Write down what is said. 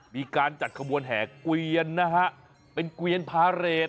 มีการจัดขบวนแห่เกวียนนะฮะเป็นเกวียนพาเรท